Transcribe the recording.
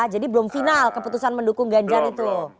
jadi belum final keputusan mendukung ganjar itu